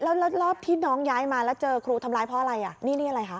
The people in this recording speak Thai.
แล้วรอบที่น้องย้ายมาแล้วเจอครูทำร้ายเพราะอะไรอ่ะนี่นี่อะไรคะ